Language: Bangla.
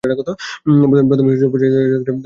প্রথমে সব্যসাচী ছদ্মনামে সিনেমা পরিচালনা করতেন তিনি।